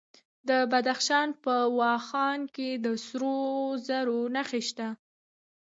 د بدخشان په واخان کې د سرو زرو نښې شته.